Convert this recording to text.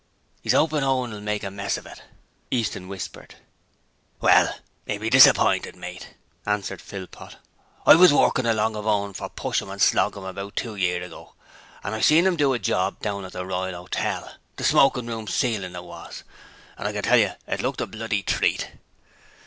''E's opin' Owen'll make a mess of it,' Easton whispered. 'Well, 'e'll be disappointed, mate,' answered Philpot. 'I was workin' along of Owen for Pushem and Sloggem about two year ago, and I seen 'im do a job down at the Royal 'Otel the smokin' room ceilin' it was and I can tell you it looked a bloody treat!'